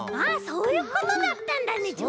あそういうことだったんだね。